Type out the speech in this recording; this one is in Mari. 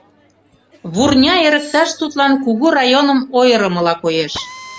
Вурня эрыкташ тудлан кугу районым ойырымыла коеш.